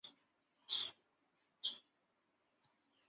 这一政策支持了此前红卫兵的任意扑杀行为。